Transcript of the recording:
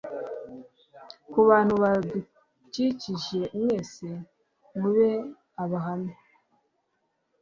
kubantu badukikije mwese mube abahamya